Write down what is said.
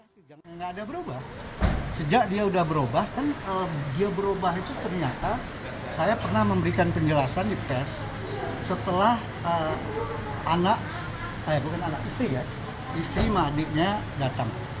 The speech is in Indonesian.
tidak ada berubah sejak dia sudah berubah kan dia berubah itu ternyata saya pernah memberikan penjelasan di pes setelah anak saya bukan anak istri ya istri sama adiknya datang